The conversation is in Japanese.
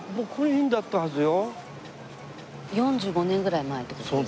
４５年ぐらい前って事ですか？